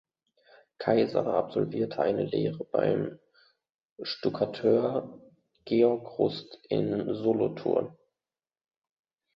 Keiser absolvierte eine Lehre beim Stuckateur Georg Rust in Solothurn.